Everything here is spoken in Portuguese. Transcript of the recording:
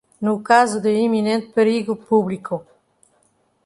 no caso de iminente perigo público